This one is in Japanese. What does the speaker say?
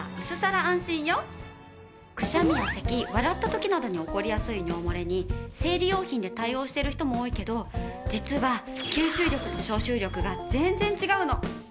くしゃみやせき笑った時などに起こりやすい尿もれに生理用品で対応している人も多いけど実は吸収力と消臭力が全然違うの！